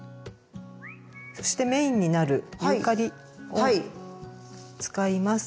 そしてメインになるユーカリを使います。